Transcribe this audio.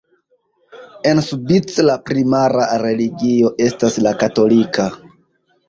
En Subic la primara religio estas la katolika.